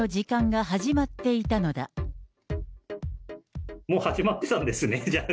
もう始まってたんですね、じゃあ。